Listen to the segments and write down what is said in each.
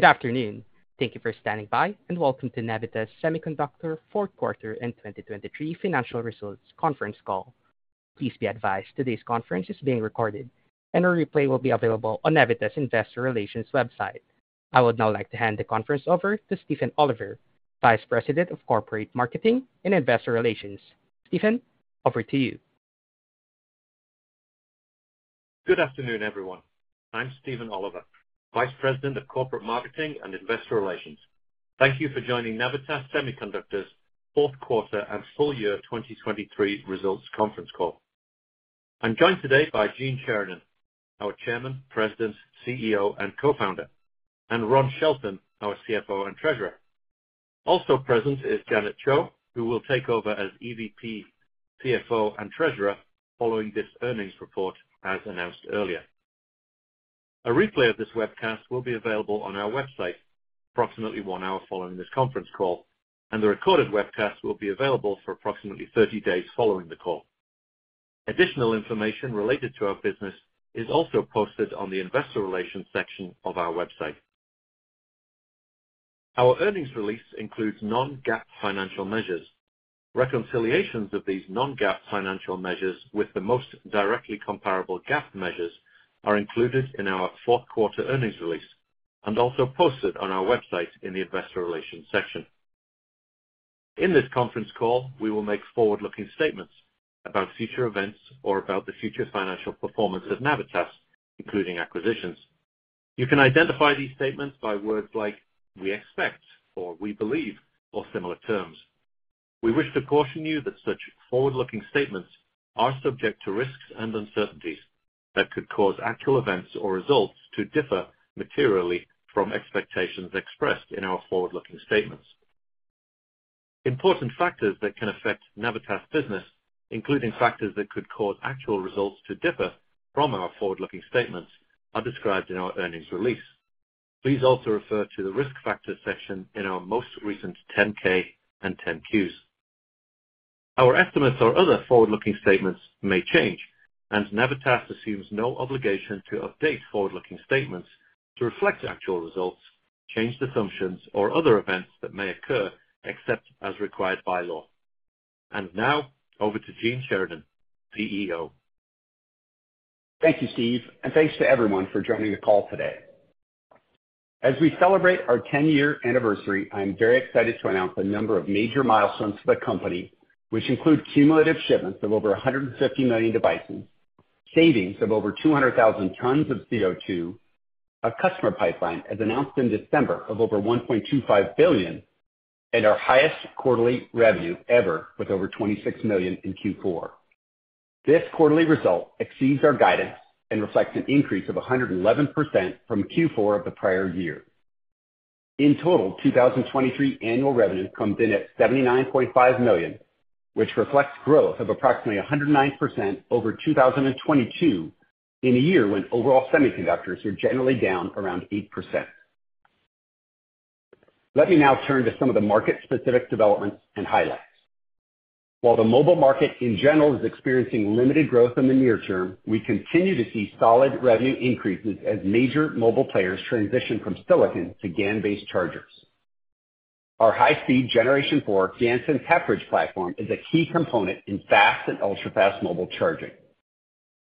Good afternoon, thank you for standing by, and welcome to Navitas Semiconductor Fourth Quarter and 2023 Financial Results Conference Call. Please be advised today's conference is being recorded, and a replay will be available on Navitas Investor Relations website. I would now like to hand the conference over to Stephen Oliver, Vice President of Corporate Marketing and Investor Relations. Stephen, over to you. Good afternoon, everyone. I'm Stephen Oliver, Vice President of Corporate Marketing and Investor Relations. Thank you for joining Navitas Semiconductor's Fourth Quarter and Full Year 2023 Results Conference Call. I'm joined today by Gene Sheridan, our Chairman, President, CEO, and Co-Founder, and Ron Shelton, our CFO and Treasurer. Also present is Janet Chou, who will take over as EVP, CFO, and Treasurer following this earnings report, as announced earlier. A replay of this webcast will be available on our website approximately one hour following this conference call, and the recorded webcast will be available for approximately 30 days following the call. Additional information related to our business is also posted on the Investor Relations section of our website. Our earnings release includes non-GAAP financial measures. Reconciliations of these non-GAAP financial measures with the most directly comparable GAAP measures are included in our Fourth Quarter earnings release and also posted on our website in the Investor Relations section. In this conference call, we will make forward-looking statements about future events or about the future financial performance of Navitas, including acquisitions. You can identify these statements by words like "we expect," or "we believe," or similar terms. We wish to caution you that such forward-looking statements are subject to risks and uncertainties that could cause actual events or results to differ materially from expectations expressed in our forward-looking statements. Important factors that can affect Navitas business, including factors that could cause actual results to differ from our forward-looking statements, are described in our earnings release. Please also refer to the risk factors section in our most recent 10-K and 10-Qs. Our estimates or other forward-looking statements may change, and Navitas assumes no obligation to update forward-looking statements to reflect actual results, change the assumptions, or other events that may occur except as required by law. And now over to Gene Sheridan, CEO. Thank you, Steve, and thanks to everyone for joining the call today. As we celebrate our 10-year anniversary, I'm very excited to announce a number of major milestones for the company, which include cumulative shipments of over 150 million devices, savings of over 200,000 tons of CO2, a customer pipeline as announced in December of over $1.25 billion, and our highest quarterly revenue ever with over $26 million in Q4. This quarterly result exceeds our guidance and reflects an increase of 111% from Q4 of the prior year. In total, 2023 annual revenue comes in at $79.5 million, which reflects growth of approximately 109% over 2022 in a year when overall semiconductors were generally down around 8%. Let me now turn to some of the market-specific developments and highlights. While the mobile market in general is experiencing limited growth in the near term, we continue to see solid revenue increases as major mobile players transition from silicon to GaN-based chargers. Our high-speed Generation 4 GaNSense Half-Bridge platform is a key component in fast and ultra-fast mobile charging.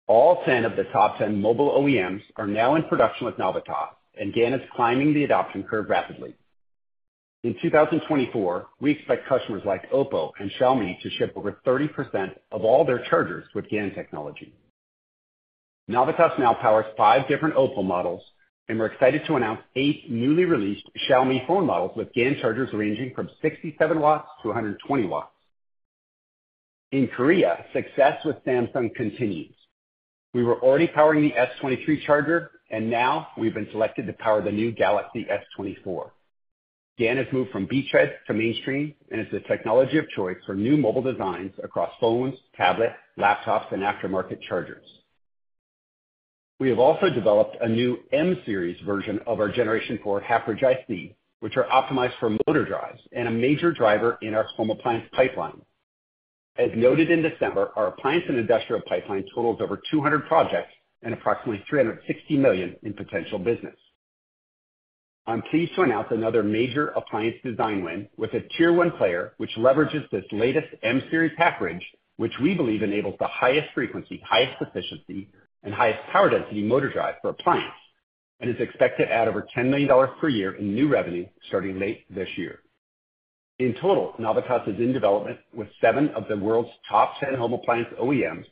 All 10 of the top 10 mobile OEMs are now in production with Navitas, and GaN is climbing the adoption curve rapidly. In 2024, we expect customers like OPPO and Xiaomi to ship over 30% of all their chargers with GaN technology. Navitas now powers five different OPPO models, and we're excited to announce eight newly released Xiaomi phone models with GaN chargers ranging from 67-120 watts. In Korea, success with Samsung continues. We were already powering the S23 charger, and now we've been selected to power the new Galaxy S24. GaN has moved from beachhead to mainstream and is the technology of choice for new mobile designs across phones, tablets, laptops, and aftermarket chargers. We have also developed a new M-series version of our Generation 4 GaNFast IC, which are optimized for motor drives and a major driver in our home appliance pipeline. As noted in December, our appliance and industrial pipeline totals over 200 projects and approximately $360 million in potential business. I'm pleased to announce another major appliance design win with a Tier 1 player which leverages this latest M-series GaNFast, which we believe enables the highest frequency, highest efficiency, and highest power density motor drive for appliance and is expected to add over $10 million per year in new revenue starting late this year. In total, Navitas is in development with seven of the world's top 10 home appliance OEMs,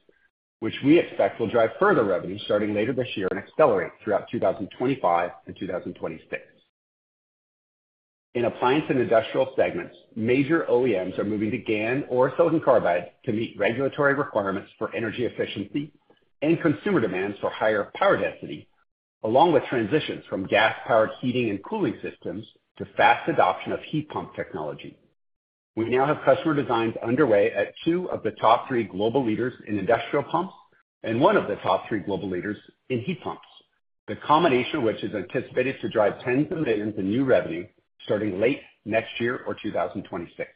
which we expect will drive further revenue starting later this year and accelerate throughout 2025 and 2026. In appliance and industrial segments, major OEMs are moving to GaN or silicon carbide to meet regulatory requirements for energy efficiency and consumer demands for higher power density, along with transitions from gas-powered heating and cooling systems to fast adoption of heat pump technology. We now have customer designs underway at two of the top three global leaders in industrial pumps and one of the top three global leaders in heat pumps, the combination of which is anticipated to drive $tens of millions in new revenue starting late next year or 2026.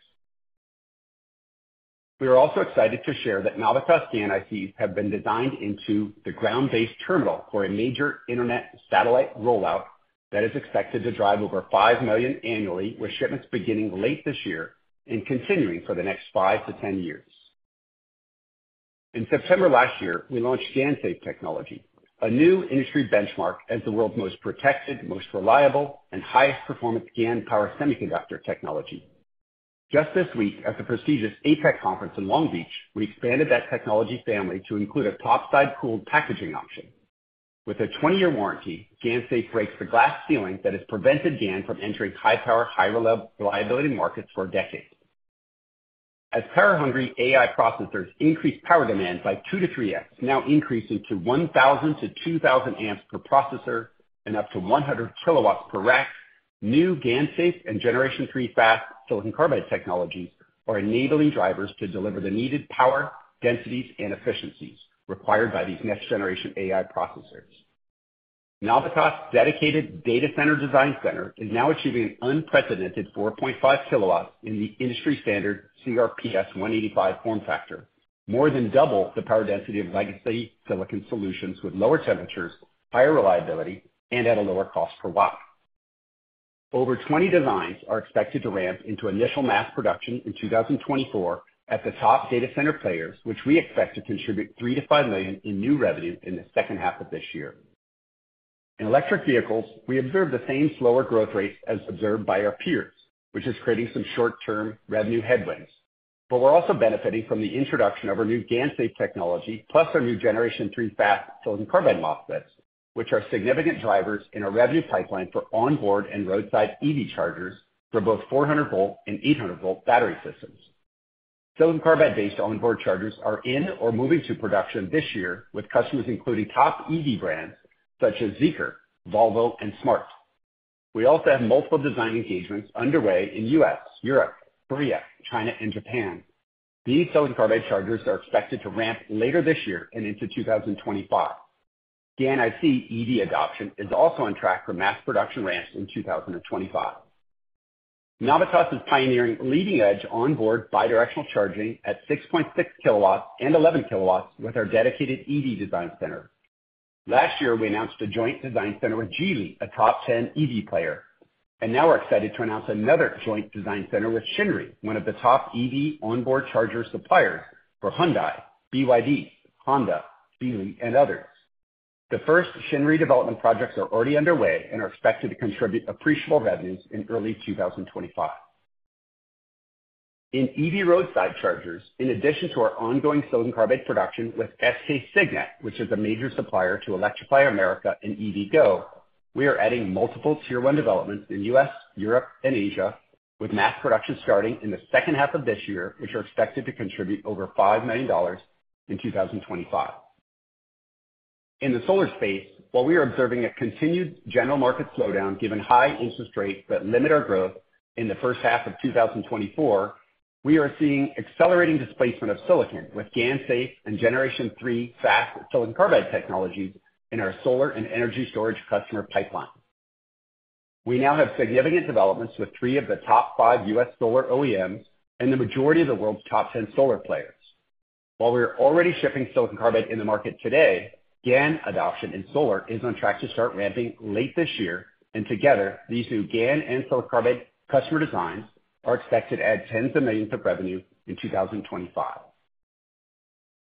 We are also excited to share that Navitas GaN ICs have been designed into the ground-based terminal for a major internet satellite rollout that is expected to drive over 5 million annually, with shipments beginning late this year and continuing for the next 5-10 years. In September last year, we launched GaNSafe technology, a new industry benchmark as the world's most protected, most reliable, and highest-performance GaN power semiconductor technology. Just this week, at the prestigious APEC conference in Long Beach, we expanded that technology family to include a topside-cooled packaging option. With a 20-year warranty, GaNSafe breaks the glass ceiling that has prevented GaN from entering high-power, high-reliability markets for decades. As power-hungry AI processors increase power demand by 2-3x, now increasing to 1,000-2,000 A per processor and up to 100 kW per rack, new GaNSafe and Generation 3 fast silicon carbide technologies are enabling drivers to deliver the needed power densities and efficiencies required by these next-generation AI processors. Navitas' dedicated data center design center is now achieving an unprecedented 4.5 kW in the industry standard CRPS 185 form factor, more than double the power density of legacy silicon solutions with lower temperatures, higher reliability, and at a lower cost per watt. Over 20 designs are expected to ramp into initial mass production in 2024 at the top data center players, which we expect to contribute $3 million-$5 million in new revenue in the H2 of this year. In electric vehicles, we observe the same slower growth rates as observed by our peers, which is creating some short-term revenue headwinds. But we're also benefiting from the introduction of our new GaNSafe technology, plus our new Generation 3 fast silicon carbide MOSFETs, which are significant drivers in our revenue pipeline for onboard and roadside EV chargers for both 400-volt and 800-volt battery systems. Silicon carbide-based onboard chargers are in or moving to production this year, with customers including top EV brands such as Zeekr, Volvo, and Smart. We also have multiple design engagements underway in the U.S., Europe, Korea, China, and Japan. These silicon carbide chargers are expected to ramp later this year and into 2025. GaN IC EV adoption is also on track for mass production ramps in 2025. Navitas is pioneering leading-edge onboard bidirectional charging at 6.6 kW and 11 kW with our dedicated EV design center. Last year, we announced a joint design center with Geely, a top 10 EV player, and now we're excited to announce another joint design center with Shinry, one of the top EV onboard charger suppliers for Hyundai, BYD, Honda, Geely, and others. The first Shinry development projects are already underway and are expected to contribute appreciable revenues in early 2025. In EV roadside chargers, in addition to our ongoing silicon carbide production with SK Signet, which is a major supplier to Electrify America and EVgo, we are adding multiple Tier 1 developments in the U.S., Europe, and Asia, with mass production starting in the H2 of this year, which are expected to contribute over $5 million in 2025. In the solar space, while we are observing a continued general market slowdown given high interest rates that limit our growth in the H1 of 2024, we are seeing accelerating displacement of silicon with GaNSafe and Generation 3 fast silicon carbide technologies in our solar and energy storage customer pipeline. We now have significant developments with three of the top five U.S. solar OEMs and the majority of the world's top 10 solar players. While we are already shipping silicon carbide in the market today, GaN adoption in solar is on track to start ramping late this year, and together, these new GaN and silicon carbide customer designs are expected to add $tens of millions in revenue in 2025.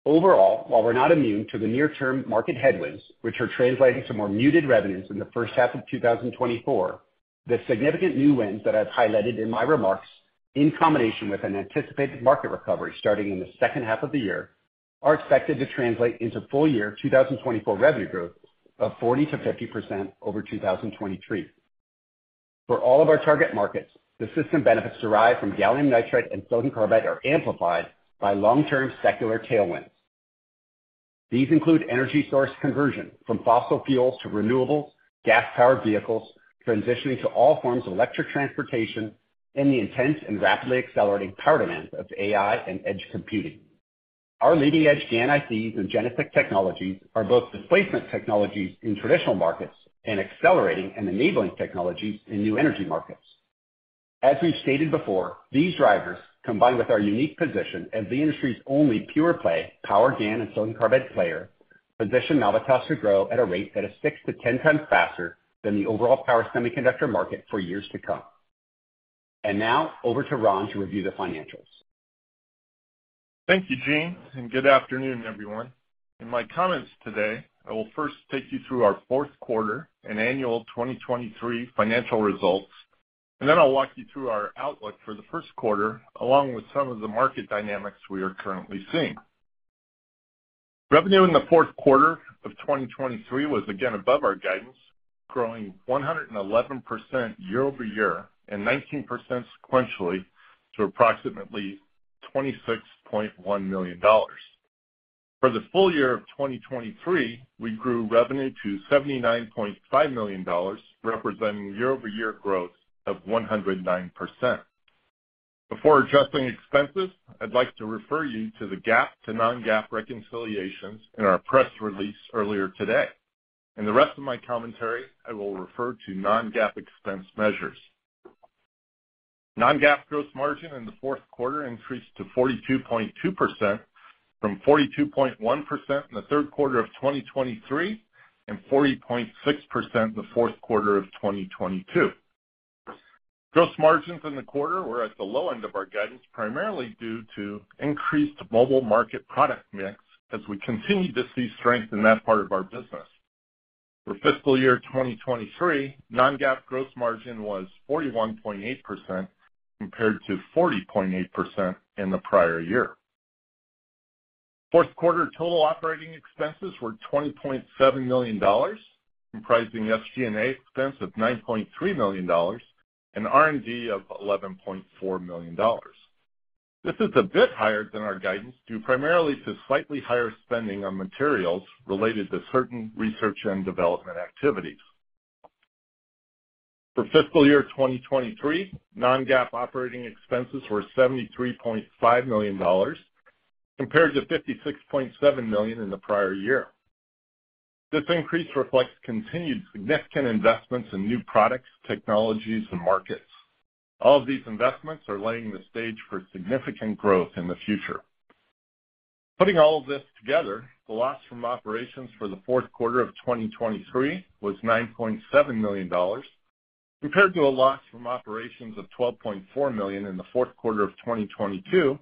Overall, while we're not immune to the near-term market headwinds, which are translating to more muted revenues in the H1 of 2024, the significant new winds that I've highlighted in my remarks, in combination with an anticipated market recovery starting in the H2 of the year, are expected to translate into full-year 2024 revenue growth of 40%-50% over 2023. For all of our target markets, the system benefits derived from gallium nitride and silicon carbide are amplified by long-term secular tailwinds. These include energy source conversion from fossil fuels to renewables, gas-powered vehicles, transitioning to all forms of electric transportation, and the intense and rapidly accelerating power demands of AI and edge computing. Our leading-edge GaN ICs and GeneSiC technologies are both displacement technologies in traditional markets and accelerating and enabling technologies in new energy markets. As we've stated before, these drivers, combined with our unique position as the industry's only pure-play power GaN and silicon carbide player, position Navitas to grow at a rate that is 6-10 times faster than the overall power semiconductor market for years to come. Now over to Ron to review the financials. Thank you, Gene, and good afternoon, everyone. In my comments today, I will first take you through our Q4 and annual 2023 financial results, and then I'll walk you through our outlook for the Q1 along with some of the market dynamics we are currently seeing. Revenue in the Q4 of 2023 was again above our guidance, growing 111% quarter-over-quarter and 19% sequentially to approximately $26.1 million. For the full year of 2023, we grew revenue to $79.5 million, representing quarter-over-quarter growth of 109%. Before adjusting expenses, I'd like to refer you to the GAAP to non-GAAP reconciliations in our press release earlier today. In the rest of my commentary, I will refer to non-GAAP expense measures. Non-GAAP gross margin in the Q4 increased to 42.2% from 42.1% in the Q3 of 2023 and 40.6% in the Q4 of 2022. Gross margins in the quarter were at the low end of our guidance, primarily due to increased mobile market product mix as we continue to see strength in that part of our business. For fiscal year 2023, non-GAAP gross margin was 41.8% compared to 40.8% in the prior year. Fourth quarter total operating expenses were $20.7 million, comprising SG&A expense of $9.3 million and R&D of $11.4 million. This is a bit higher than our guidance, due primarily to slightly higher spending on materials related to certain research and development activities. For fiscal year 2023, non-GAAP operating expenses were $73.5 million compared to $56.7 million in the prior year. This increase reflects continued significant investments in new products, technologies, and markets. All of these investments are laying the stage for significant growth in the future. Putting all of this together, the loss from operations for the Q4 of 2023 was $9.7 million compared to a loss from operations of $12.4 million in the Q4 of 2022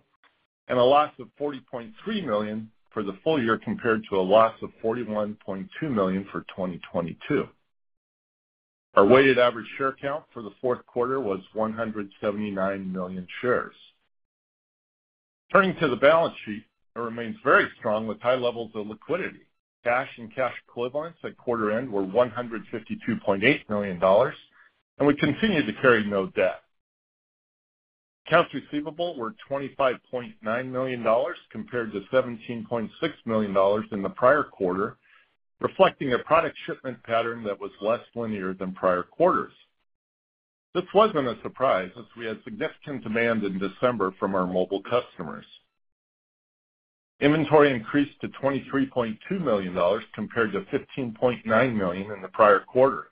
and a loss of $40.3 million for the full year compared to a loss of $41.2 million for 2022. Our weighted average share count for the Q4 was 179 million shares. Turning to the balance sheet, it remains very strong with high levels of liquidity. Cash and cash equivalents at quarter end were $152.8 million, and we continue to carry no debt. Accounts receivable were $25.9 million compared to $17.6 million in the prior quarter, reflecting a product shipment pattern that was less linear than prior quarters. This wasn't a surprise as we had significant demand in December from our mobile customers. Inventory increased to $23.2 million compared to $15.9 million in the prior quarter.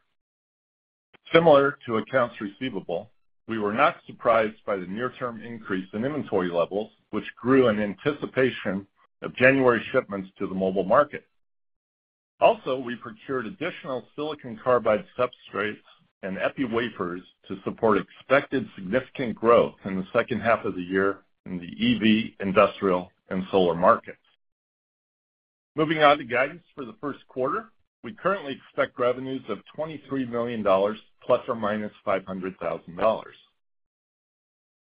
Similar to accounts receivable, we were not surprised by the near-term increase in inventory levels, which grew in anticipation of January shipments to the mobile market. Also, we procured additional silicon carbide substrates and epiwafers to support expected significant growth in the H2 of the year in the EV, industrial, and solar markets. Moving on to guidance for the Q1, we currently expect revenues of $23 million ± $500,000.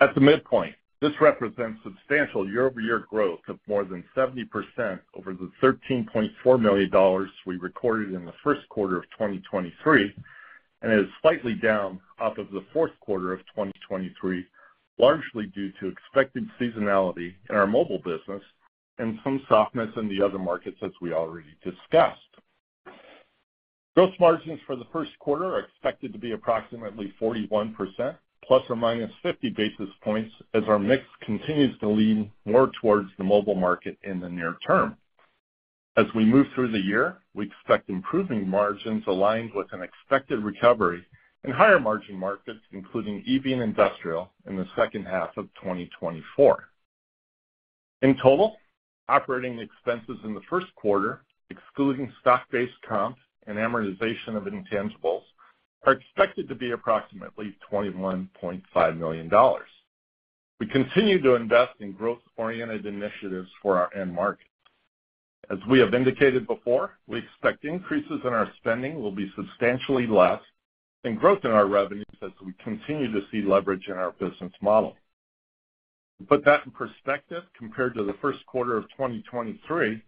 At the midpoint, this represents substantial quarter-over-quarter growth of more than 70% over the $13.4 million we recorded in the Q1 of 2023 and is slightly down off of the Q4 of 2023, largely due to expected seasonality in our mobile business and some softness in the other markets, as we already discussed. Gross margins for the Q1 are expected to be approximately 41% ±50 basis points as our mix continues to lean more towards the mobile market in the near term. As we move through the year, we expect improving margins aligned with an expected recovery in higher-margin markets, including EV and industrial, in the H2 of 2024. In total, operating expenses in the Q1, excluding stock-based comp and amortization of intangibles, are expected to be approximately $21.5 million. We continue to invest in growth-oriented initiatives for our end market. As we have indicated before, we expect increases in our spending will be substantially less and growth in our revenues as we continue to see leverage in our business model. To put that in perspective, compared to the Q1 of 2023,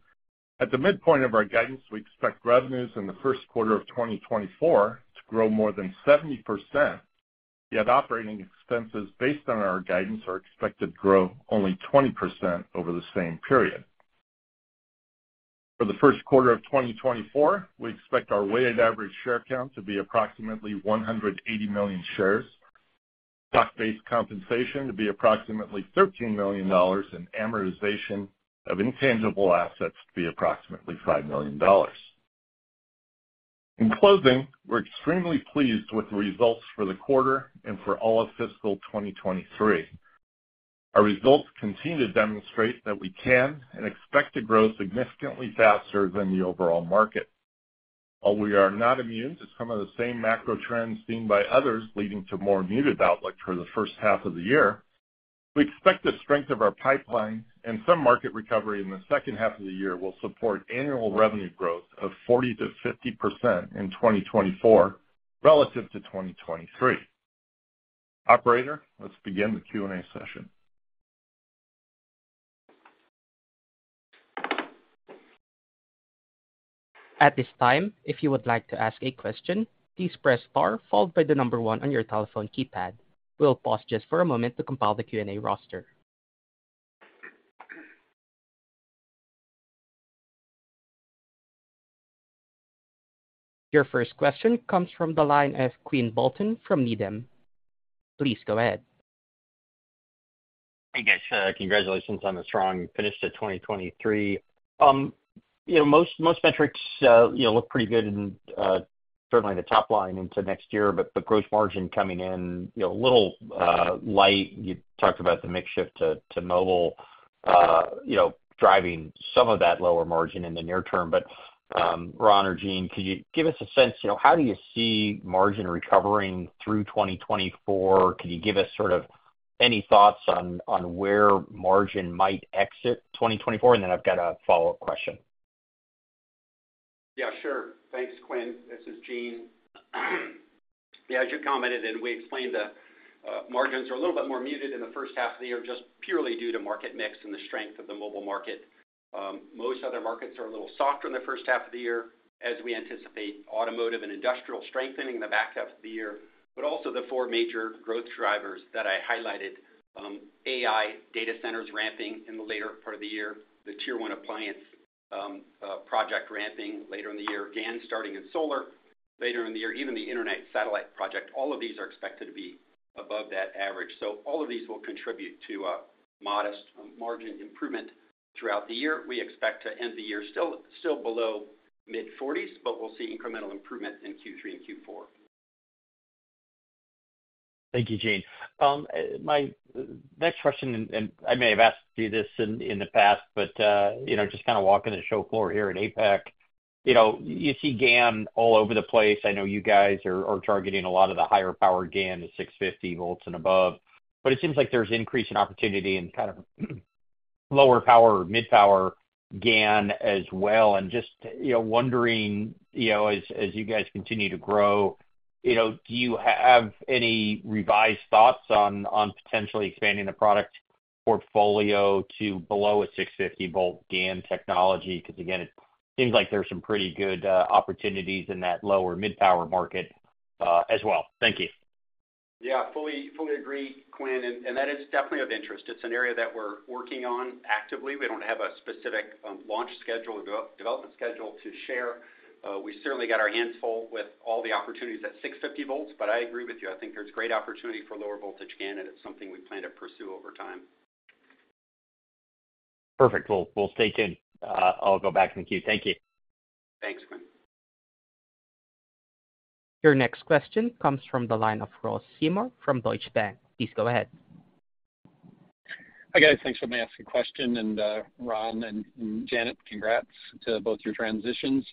at the midpoint of our guidance, we expect revenues in the Q1 of 2024 to grow more than 70%, yet operating expenses based on our guidance are expected to grow only 20% over the same period. For the Q1 of 2024, we expect our weighted average share count to be approximately 180 million shares, stock-based compensation to be approximately $13 million, and amortization of intangible assets to be approximately $5 million. In closing, we're extremely pleased with the results for the quarter and for all of fiscal 2023. Our results continue to demonstrate that we can and expect to grow significantly faster than the overall market. While we are not immune to some of the same macro trends seen by others leading to more muted outlook for the H1 of the year, we expect the strength of our pipeline and some market recovery in the H2 of the year will support annual revenue growth of 40%-50% in 2024 relative to 2023. Operator, let's begin the Q&A session. At this time, if you would like to ask a question, please press star followed by the number one on your telephone keypad. We'll pause just for a moment to compile the Q&A roster. Your first question comes from the line of Quinn Bolton from Needham. Please go ahead. Hey, guys. Congratulations on the strong finish to 2023. Most metrics look pretty good, certainly the top line into next year, but gross margin coming in a little light. You talked about the mix shift to mobile driving some of that lower margin in the near term. But Ron or Gene, could you give us a sense? How do you see margin recovering through 2024? Could you give us sort of any thoughts on where margin might exit 2024? And then I've got a follow-up question. Yeah, sure. Thanks, Quinn. This is Gene. Yeah, as you commented and we explained, margins are a little bit more muted in the H1 of the year just purely due to market mix and the strength of the mobile market. Most other markets are a little softer in the H1 of the year as we anticipate automotive and industrial strengthening in the back half of the year. But also the four major growth drivers that I highlighted: AI, data centers ramping in the later part of the year, the Tier 1 appliance project ramping later in the year, GaN starting in solar later in the year, even the Internet satellite project. All of these are expected to be above that average. So all of these will contribute to a modest margin improvement throughout the year. We expect to end the year still below mid-40s, but we'll see incremental improvement in Q3 and Q4. Thank you, Gene. My next question, and I may have asked you this in the past, but just kind of walking the show floor here at APEC, you see GaN all over the place. I know you guys are targeting a lot of the higher-power GaN to 650 volts and above, but it seems like there's increase in opportunity in kind of lower power or mid-power GaN as well. Just wondering, as you guys continue to grow, do you have any revised thoughts on potentially expanding the product portfolio to below a 650-volt GaN technology? Because again, it seems like there's some pretty good opportunities in that lower mid-power market as well. Thank you. Yeah, fully agree, Quinn, and that is definitely of interest. It's an area that we're working on actively. We don't have a specific launch schedule or development schedule to share. We certainly got our hands full with all the opportunities at 650 volts, but I agree with you. I think there's great opportunity for lower voltage GaN, and it's something we plan to pursue over time. Perfect. We'll stay tuned. I'll go back in the queue. Thank you. Thanks, Quinn. Your next question comes from the line of Ross Seymore from Deutsche Bank. Please go ahead. Hi guys. Thanks for me asking a question. And Ron and Gene, congrats to both your transitions.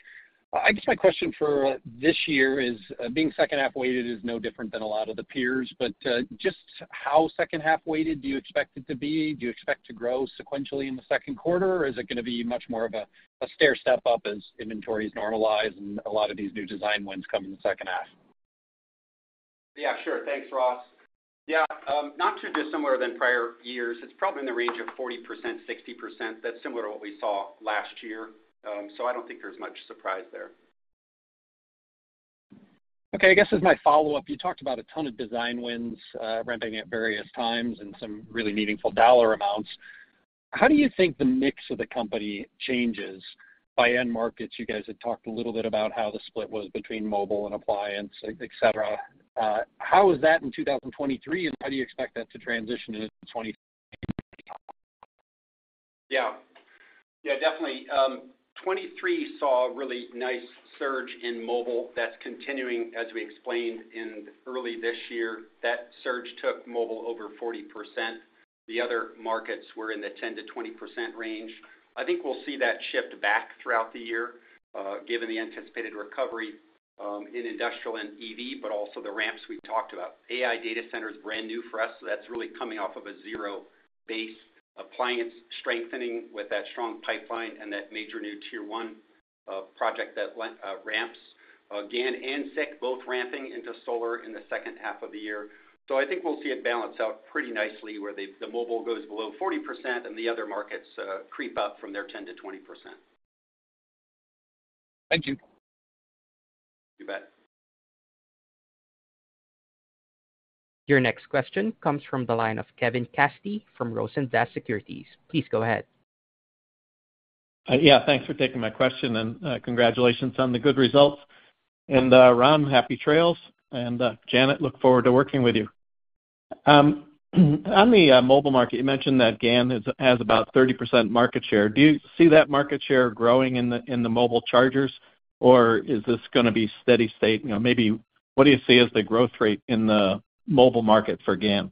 I guess my question for this year is, being second-half weighted is no different than a lot of the peers, but just how second-half weighted do you expect it to be? Do you expect to grow sequentially in the Q2, or is it going to be much more of a stair step up as inventories normalize and a lot of these new design wins come in the H2 Yeah, sure. Thanks, Ross. Yeah, not too dissimilar than prior years. It's probably in the range of 40%-60%. That's similar to what we saw last year. So I don't think there's much surprise there. Okay. I guess as my follow-up, you talked about a ton of design wins ramping at various times and some really meaningful dollar amounts. How do you think the mix of the company changes by end markets? You guys had talked a little bit about how the split was between mobile and appliance, etc. How was that in 2023, and how do you expect that to transition into 2023? Yeah. Yeah, definitely. 2023 saw a really nice surge in mobile that's continuing, as we explained, in early this year. That surge took mobile over 40%. The other markets were in the 10%-20% range. I think we'll see that shift back throughout the year given the anticipated recovery in industrial and EV, but also the ramps we talked about. AI data center is brand new for us. That's really coming off of a zero base. Appliance strengthening with that strong pipeline and that major new Tier 1 project that ramps. GaN and SiC both ramping into solar in the H2 of the year. So I think we'll see it balance out pretty nicely where the mobile goes below 40% and the other markets creep up from their 10%-20%. Thank you. You bet. Your next question comes from the line of Kevin Cassidy from Rosenblatt Securities. Please go ahead. Yeah, thanks for taking my question, and congratulations on the good results. And Ron, happy trails. And Janet, look forward to working with you. On the mobile market, you mentioned that GaN has about 30% market share. Do you see that market share growing in the mobile chargers, or is this going to be steady state? Maybe what do you see as the growth rate in the mobile market for GaN?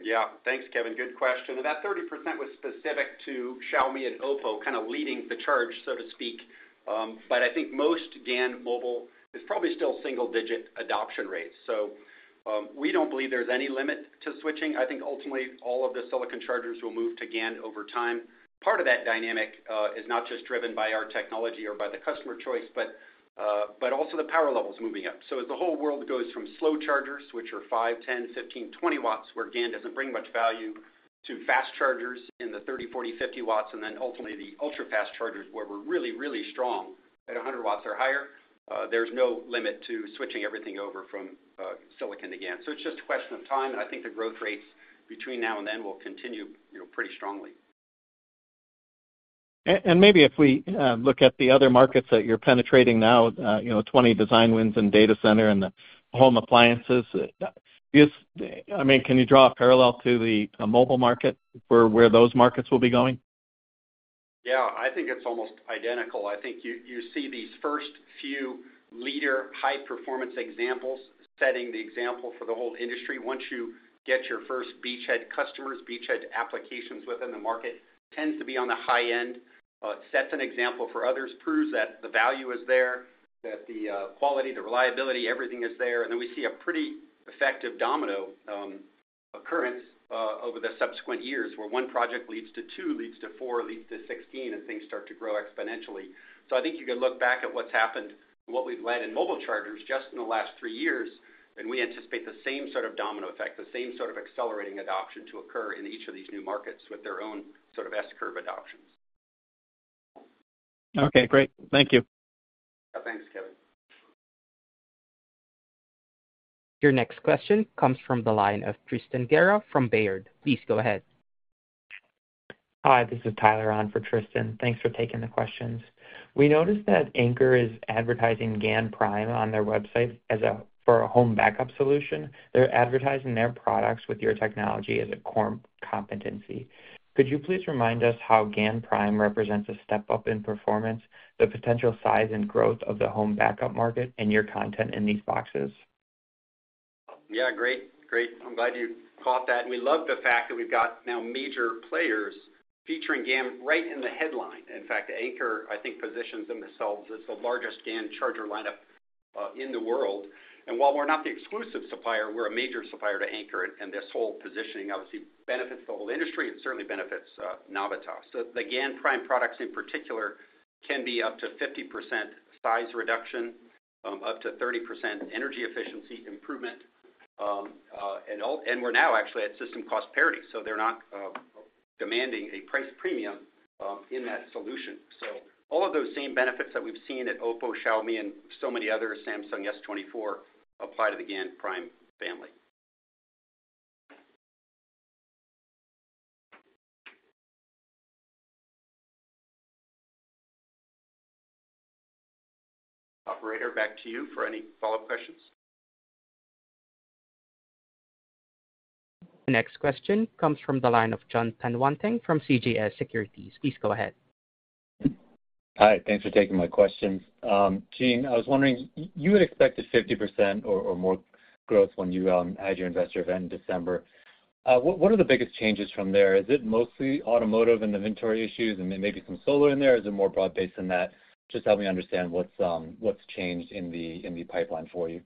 Yeah, thanks, Kevin. Good question. And that 30% was specific to Xiaomi and OPPO kind of leading the charge, so to speak. But I think most GaN mobile is probably still single-digit adoption rates. So we don't believe there's any limit to switching. I think ultimately, all of the silicon chargers will move to GaN over time. Part of that dynamic is not just driven by our technology or by the customer choice, but also the power levels moving up. So as the whole world goes from slow chargers, which are 5, 10, 15, 20 watts where GaN doesn't bring much value, to fast chargers in the 30, 40, 50 watts, and then ultimately the ultra-fast chargers where we're really, really strong at 100 watts or higher, there's no limit to switching everything over from silicon to GaN. It's just a question of time, and I think the growth rates between now and then will continue pretty strongly. Maybe if we look at the other markets that you're penetrating now, 20 design wins in data center and the home appliances, I mean, can you draw a parallel to the mobile market for where those markets will be going? Yeah, I think it's almost identical. I think you see these first few leader high-performance examples setting the example for the whole industry. Once you get your first beachhead customers, beachhead applications within the market tends to be on the high end. Sets an example for others, proves that the value is there, that the quality, the reliability, everything is there. And then we see a pretty effective domino occurrence over the subsequent years where 1 project leads to 2, leads to 4, leads to 16, and things start to grow exponentially. So I think you could look back at what's happened and what we've led in mobile chargers just in the last three years, and we anticipate the same sort of domino effect, the same sort of accelerating adoption to occur in each of these new markets with their own sort of S-curve adoptions. Okay, great. Thank you. Yeah, thanks, Kevin. Your next question comes from the line of Tristan Gerra from Baird. Please go ahead. Hi, this is Tyler on for Tristan. Thanks for taking the questions. We noticed that Anker is advertising GaNPrime on their website for a home backup solution. They're advertising their products with your technology as a core competency. Could you please remind us how GaNPrime represents a step up in performance, the potential size and growth of the home backup market, and your content in these boxes? Yeah, great. Great. I'm glad you caught that. And we love the fact that we've got now major players featuring GaN right in the headline. In fact, Anker, I think, positions themselves as the largest GaN charger lineup in the world. And while we're not the exclusive supplier, we're a major supplier to Anker, and this whole positioning, obviously, benefits the whole industry and certainly benefits Navitas. So the GaNPrime products in particular can be up to 50% size reduction, up to 30% energy efficiency improvement. And we're now actually at system cost parity. So they're not demanding a price premium in that solution. So all of those same benefits that we've seen at OPPO, Xiaomi, and so many others, Samsung S24 apply to the GaNPrime family. Operator, back to you for any follow-up questions. Next question comes from the line of Jon Tanwanteng from CJS Securities. Please go ahead. Hi. Thanks for taking my question. Gene, I was wondering, you had expected 50% or more growth when you had your investor event in December. What are the biggest changes from there? Is it mostly automotive and inventory issues and maybe some solar in there? Is it more broad-based than that? Just help me understand what's changed in the pipeline for you.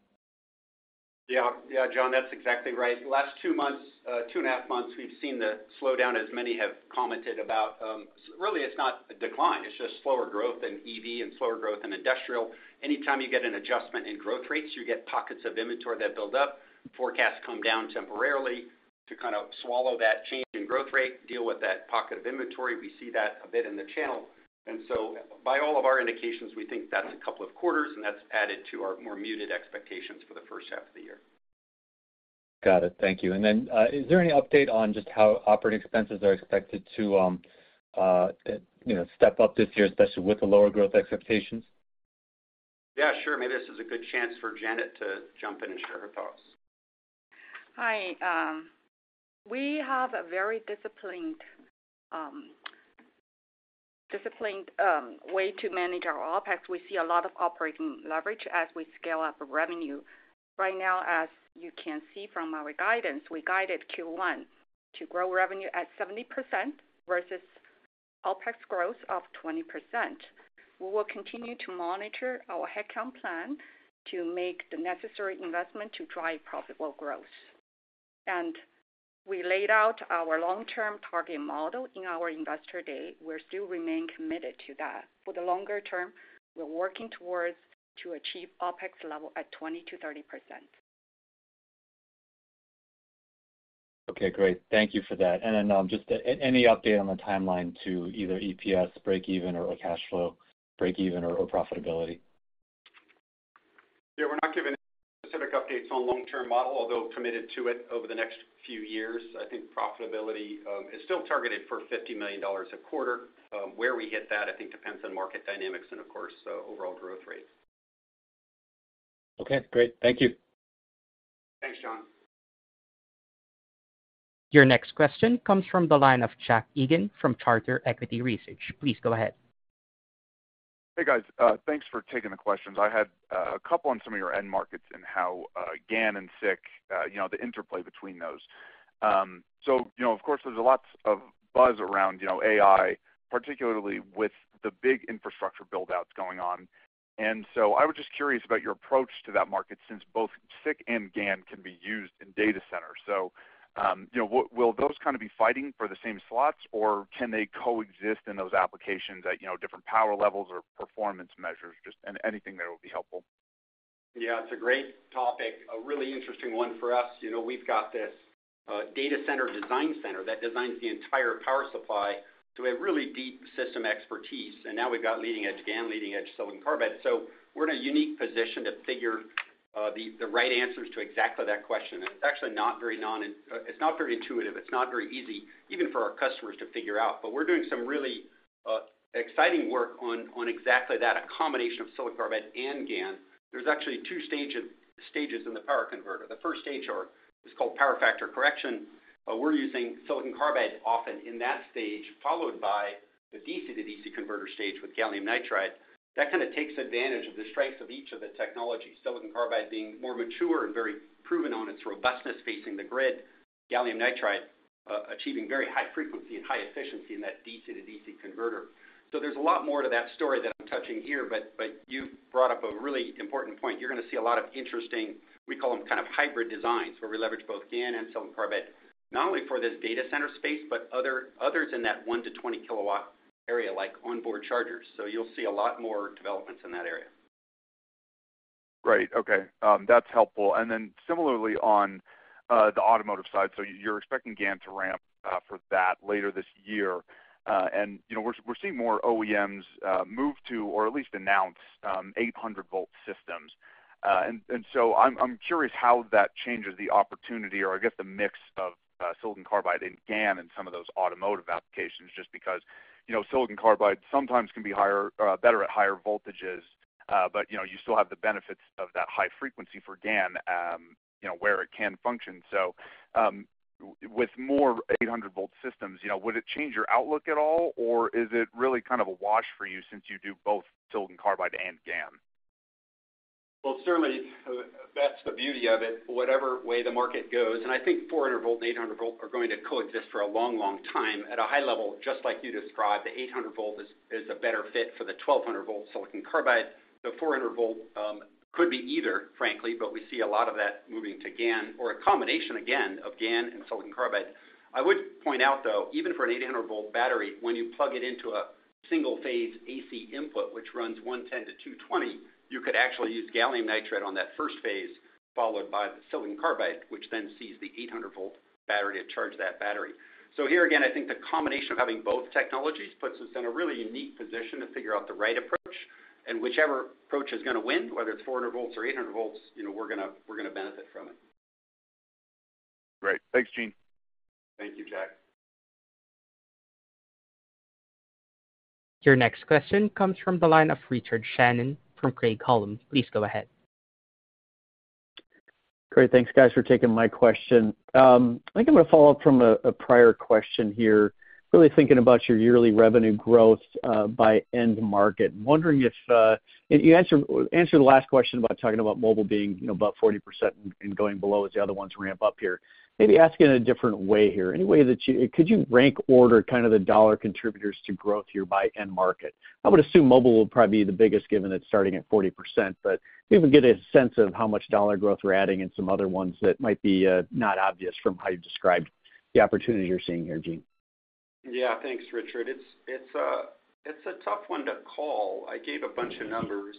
Yeah. Yeah, John, that's exactly right. Last 2 months, 2.5 months, we've seen the slowdown as many have commented about. Really, it's not a decline. It's just slower growth in EV and slower growth in industrial. Anytime you get an adjustment in growth rates, you get pockets of inventory that build up. Forecasts come down temporarily to kind of swallow that change in growth rate, deal with that pocket of inventory. We see that a bit in the channel. And so by all of our indications, we think that's a couple of quarters, and that's added to our more muted expectations for the H1 of the year. Got it. Thank you. And then is there any update on just how operating expenses are expected to step up this year, especially with the lower growth expectations? Yeah, sure. Maybe this is a good chance for Janet to jump in and share her thoughts. Hi. We have a very disciplined way to manage our OpEx. We see a lot of operating leverage as we scale up revenue. Right now, as you can see from our guidance, we guided Q1 to grow revenue at 70% versus OpEx growth of 20%. We will continue to monitor our headcount plan to make the necessary investment to drive profitable growth. And we laid out our long-term target model in our investor day. We still remain committed to that. For the longer term, we're working towards achieving OpEx level at 20%-30%. Okay, great. Thank you for that. And then just any update on the timeline to either EPS break-even or cash flow break-even or profitability? Yeah, we're not giving specific updates on the long-term model, although committed to it over the next few years. I think profitability is still targeted for $50 million a quarter. Where we hit that, I think, depends on market dynamics and, of course, overall growth rate. Okay, great. Thank you. Thanks, John. Your next question comes from the line of Jack Egan from Charter Equity Research. Please go ahead. Hey guys. Thanks for taking the questions. I had a couple on some of your end markets and how GaN and SiC, the interplay between those. So of course, there's a lot of buzz around AI, particularly with the big infrastructure buildouts going on. And so I was just curious about your approach to that market since both SiC and GaN can be used in data centers. So will those kind of be fighting for the same slots, or can they coexist in those applications at different power levels or performance measures, just anything that would be helpful? Yeah, it's a great topic, a really interesting one for us. We've got this data center design center that designs the entire power supply to a really deep system expertise. And now we've got leading-edge GaN, leading-edge silicon carbide. So we're in a unique position to figure the right answers to exactly that question. And it's actually not very intuitive. It's not very easy, even for our customers, to figure out. But we're doing some really exciting work on exactly that, a combination of silicon carbide and GaN. There's actually two stages in the power converter. The first stage is called power factor correction. We're using silicon carbide often in that stage, followed by the DC to DC converter stage with gallium nitride. That kind of takes advantage of the strengths of each of the technologies, silicon carbide being more mature and very proven on its robustness facing the grid, gallium nitride achieving very high frequency and high efficiency in that DC to DC converter. So there's a lot more to that story that I'm touching here, but you've brought up a really important point. You're going to see a lot of interesting, we call them, kind of hybrid designs where we leverage both GaN and silicon carbide not only for this data center space, but others in that 1-20 kW area like onboard chargers. So you'll see a lot more developments in that area. Right. Okay. That's helpful. And then similarly on the automotive side, so you're expecting GaN to ramp for that later this year. And we're seeing more OEMs move to or at least announce 800-V systems. And so I'm curious how that changes the opportunity or, I guess, the mix of silicon carbide and GaN in some of those automotive applications, just because silicon carbide sometimes can be better at higher voltages, but you still have the benefits of that high frequency for GaN where it can function. So with more 800-V systems, would it change your outlook at all, or is it really kind of a wash for you since you do both silicon carbide and GaN? Well, certainly, that's the beauty of it, whatever way the market goes. I think 400-volt and 800-volt are going to coexist for a long, long time. At a high level, just like you described, the 800-volt is a better fit for the 1,200-volt silicon carbide. The 400-volt could be either, frankly, but we see a lot of that moving to GaN or a combination, again, of GaN and silicon carbide. I would point out, though, even for an 800-volt battery, when you plug it into a single-phase AC input, which runs 110-220, you could actually use gallium nitride on that first phase, followed by the silicon carbide, which then sees the 800-volt battery to charge that battery. So here again, I think the combination of having both technologies puts us in a really unique position to figure out the right approach. Whichever approach is going to win, whether it's 400 volts or 800 volts, we're going to benefit from it. Great. Thanks, Gene. Thank you, Jack. Your next question comes from the line of Richard Shannon from Craig-Hallum. Please go ahead. Great. Thanks, guys, for taking my question. I think I'm going to follow up from a prior question here, really thinking about your yearly revenue growth by end market. Wondering if you answered the last question about talking about mobile being about 40% and going below as the other ones ramp up here. Maybe ask it in a different way here. Any way that you could rank order kind of the dollar contributors to growth here by end market? I would assume mobile will probably be the biggest given it's starting at 40%, but if you can get a sense of how much dollar growth we're adding and some other ones that might be not obvious from how you described the opportunity you're seeing here, Gene. Yeah, thanks, Richard. It's a tough one to call. I gave a bunch of numbers.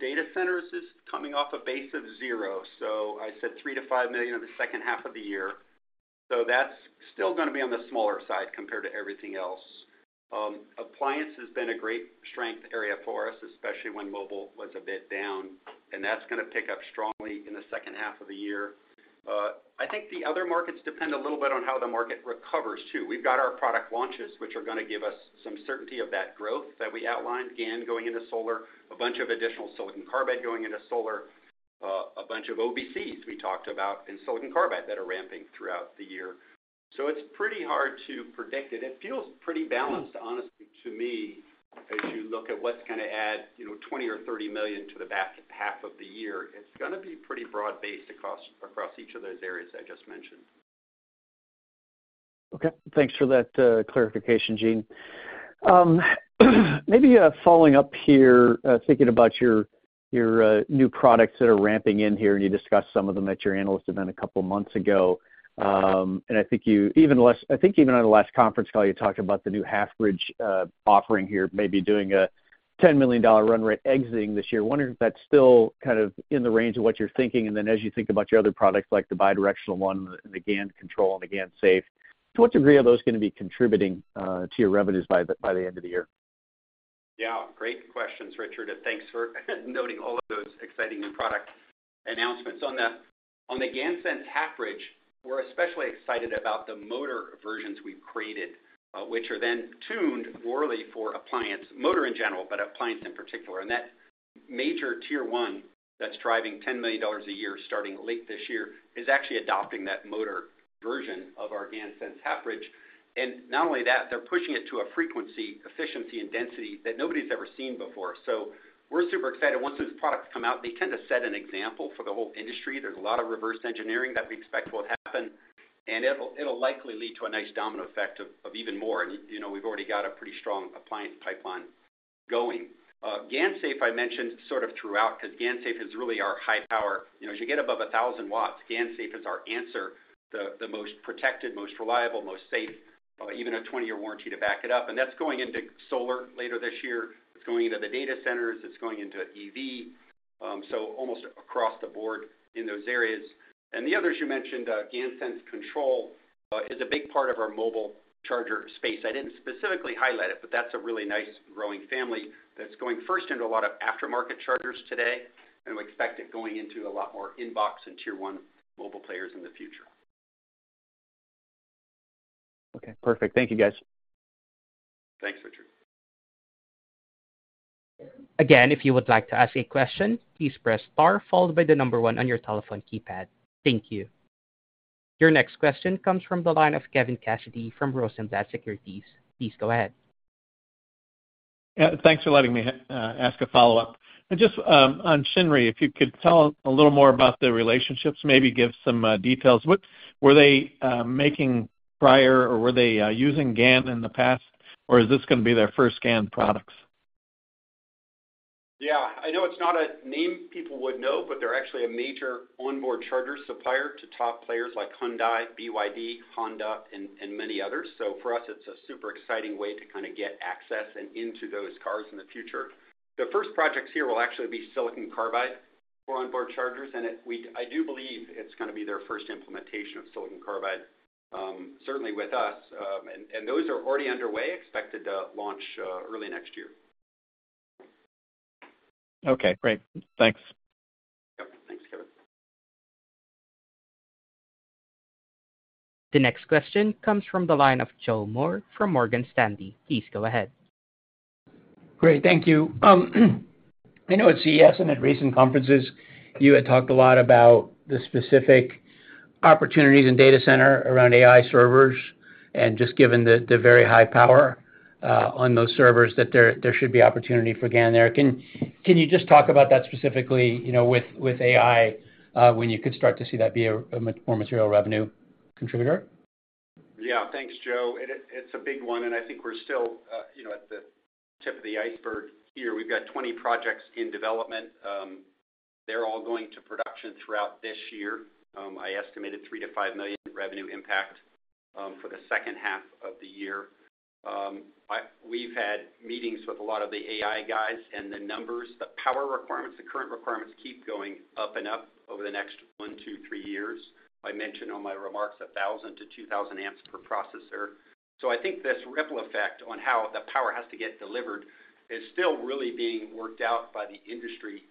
Data centers is coming off a base of zero, so I said $3 million-$5 million in the H2 of the year. So that's still going to be on the smaller side compared to everything else. Appliance has been a great strength area for us, especially when mobile was a bit down. And that's going to pick up strongly in the H2 of the year. I think the other markets depend a little bit on how the market recovers, too. We've got our product launches, which are going to give us some certainty of that growth that we outlined, GaN going into solar, a bunch of additional silicon carbide going into solar, a bunch of OBCs we talked about in silicon carbide that are ramping throughout the year. It's pretty hard to predict it. It feels pretty balanced, honestly, to me, as you look at what's going to add $20 million or $30 million to the back half of the year. It's going to be pretty broad-based across each of those areas I just mentioned. Okay. Thanks for that clarification, Gene. Maybe following up here, thinking about your new products that are ramping in here, and you discussed some of them at your analyst event a couple of months ago. And I think you even on the last conference call, you talked about the new Halfbridge offering here, maybe doing a $10 million run rate exiting this year. Wondering if that's still kind of in the range of what you're thinking. And then as you think about your other products like the bidirectional one and the GaN Control and the GaNSafe, to what degree are those going to be contributing to your revenues by the end of the year? Yeah, great questions, Richard. And thanks for noting all of those exciting new product announcements. On the GaNSense Half-Bridge, we're especially excited about the motor versions we've created, which are then tuned for motors for appliance, motor in general, but appliance in particular. And that major Tier 1 that's driving $10 million a year starting late this year is actually adopting that motor version of our GaNSense Half-Bridge. And not only that, they're pushing it to a frequency, efficiency, and density that nobody's ever seen before. So we're super excited. Once those products come out, they tend to set an example for the whole industry. There's a lot of reverse engineering that we expect will happen. And it'll likely lead to a nice domino effect of even more. And we've already got a pretty strong appliance pipeline going. GaNSafe, I mentioned sort of throughout because GaNSafe is really our high power. As you get above 1,000 watts, GaNSafe is our answer, the most protected, most reliable, most safe, even a 20-year warranty to back it up. And that's going into solar later this year. It's going into the data centers. It's going into EV, so almost across the board in those areas. And the others you mentioned, GaNSense Control, is a big part of our mobile charger space. I didn't specifically highlight it, but that's a really nice growing family that's going first into a lot of aftermarket chargers today. And we expect it going into a lot more inbox and tier one mobile players in the future. Okay. Perfect. Thank you, guys. Thanks, Richard. Again, if you would like to ask a question, please press star followed by the number one on your telephone keypad. Thank you. Your next question comes from the line of Kevin Cassidy from Rosenblatt Securities. Please go ahead. Thanks for letting me ask a follow-up. Just on SHINRY, if you could tell a little more about the relationships, maybe give some details. Were they making prior, or were they using GaN in the past, or is this going to be their first GaN products? Yeah. I know it's not a name people would know, but they're actually a major onboard charger supplier to top players like Hyundai, BYD, Honda, and many others. So for us, it's a super exciting way to kind of get access and into those cars in the future. The first projects here will actually be silicon carbide for onboard chargers. I do believe it's going to be their first implementation of silicon carbide, certainly with us. Those are already underway, expected to launch early next year. Okay. Great. Thanks. Yep. Thanks, Kevin. The next question comes from the line of Joe Moore from Morgan Stanley. Please go ahead. Great. Thank you. I know it's a yes, and at recent conferences, you had talked a lot about the specific opportunities in data center around AI servers. Just given the very high power on those servers, that there should be opportunity for GaN there. Can you just talk about that specifically with AI when you could start to see that be a more material revenue contributor? Yeah. Thanks, Joe. It's a big one. And I think we're still at the tip of the iceberg here. We've got 20 projects in development. They're all going to production throughout this year. I estimated $3 million-$5 million revenue impact for the H2 of the year. We've had meetings with a lot of the AI guys. And the numbers, the power requirements, the current requirements keep going up and up over the next one, two, three years. I mentioned on my remarks 1,000-2,000 amps per processor. So I think this ripple effect on how the power has to get delivered is still really being worked out by the industry.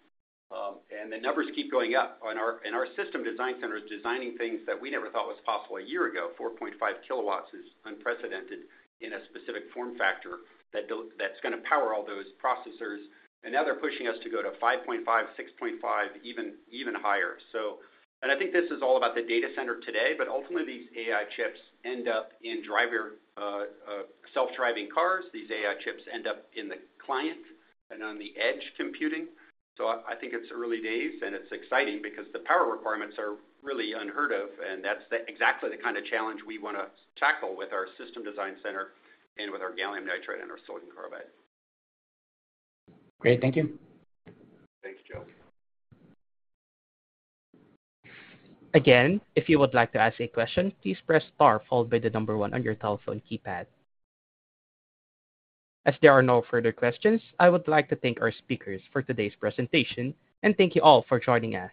And the numbers keep going up. And our system design center is designing things that we never thought was possible a year ago. 4.5 kW is unprecedented in a specific form factor that's going to power all those processors. And now they're pushing us to go to 5.5, 6.5, even higher. And I think this is all about the data center today. But ultimately, these AI chips end up in self-driving cars. These AI chips end up in the client and on the edge computing. So I think it's early days. And it's exciting because the power requirements are really unheard of. And that's exactly the kind of challenge we want to tackle with our system design center and with our gallium nitride and our silicon carbide. Great. Thank you. Thanks, Joe. Again, if you would like to ask a question, please press star followed by the number one on your telephone keypad. As there are no further questions, I would like to thank our speakers for today's presentation. Thank you all for joining us.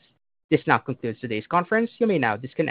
This now concludes today's conference. You may now disconnect.